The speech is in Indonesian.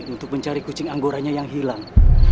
untuk mencari kucing anggoranya yang hilang